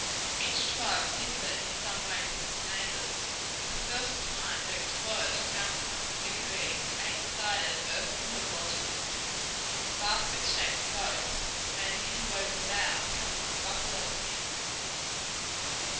Each tribe differed in some way from its neighbors. For the first time the explorers found among the Rickarees eight sided earth covered lodges, and basket shaped boats made of interwoven boughs covered with buffalo skins.